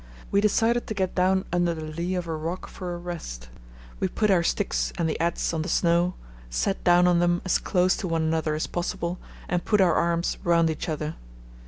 We decided to get down under the lee of a rock for a rest. We put our sticks and the adze on the snow, sat down on them as close to one another as possible, and put our arms round each other.